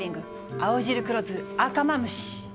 青汁黒酢赤マムシ！